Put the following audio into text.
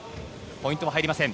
ポイントも入りません。